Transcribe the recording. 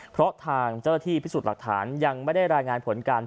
เพราะทางเจ้าหน้าที่พิสูจน์หลักฐานยังไม่ได้รายงานผลการ